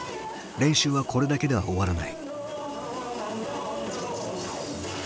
練習はこれだけでは終わらない。